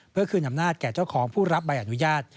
เพื่อคืนอำนาจแก่เจ้าของผู้รับใบอนุญาต